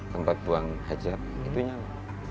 tempat buang hajat itu nyaman